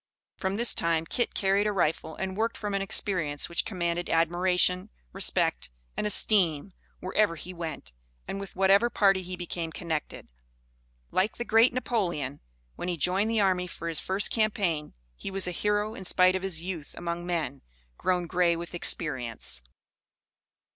From this time Kit carried a rifle and worked from an experience which commanded admiration, respect, and esteem wherever he went, and with whatever party he became connected. Like the great Napoleon, when he joined the army for his first campaign, he was a hero in spite of his youth among men grown grey with experience.